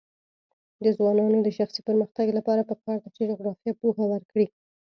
د ځوانانو د شخصي پرمختګ لپاره پکار ده چې جغرافیه پوهه ورکړي.